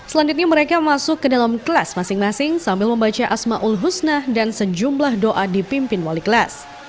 selanjutnya mereka masuk ke dalam kelas masing masing sambil membaca asma'ul husnah dan sejumlah doa di pimpin wali kelas